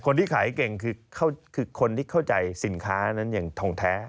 คนที่ขายเก่งคือคนที่เข้าใจสินค้านั้นอย่างทองแท้